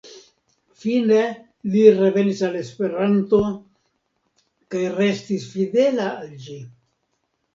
Fine, li revenis al Esperanto kaj restis fidela al ĝi.